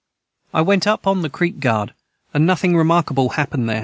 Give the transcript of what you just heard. I went up on the creek guard and nothing remarkable hapened their.